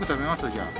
じゃあ。